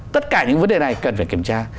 tất cả những vấn đề này cần phải kiểm tra